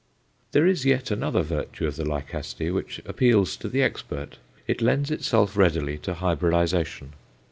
There is yet another virtue of the Lycaste which appeals to the expert. It lends itself readily to hybridization.